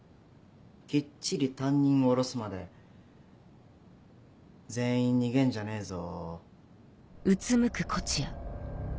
きっちり担任降ろすまで全員逃げんじゃねえぞ。